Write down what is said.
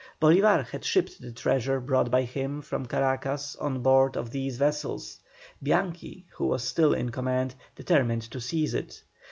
Bolívar had shipped the treasure brought by him from Caracas on board of these vessels. Bianchi, who was still in command, determined to seize it.